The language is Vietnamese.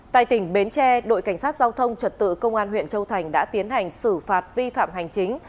tại tỉnh bến tre đội cảnh sát giao thông trật tự công an huyện châu thành đã tiến hành xử phạt vi phạm hành chính